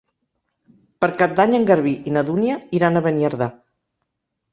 Per Cap d'Any en Garbí i na Dúnia iran a Beniardà.